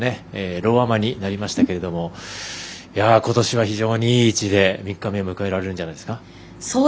ローアマになりましたけどことしは非常にいい位置で３日目迎えられるんじゃないですか。